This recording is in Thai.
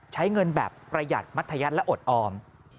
ใช้เงินแบบประหยัดมัธยัติและอดออม